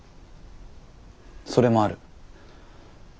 それもある。